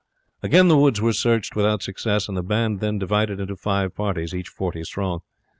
Again the woods were searched without success, and the band then divided into five parties, each forty strong.